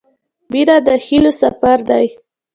• مینه د هیلو سفر دی.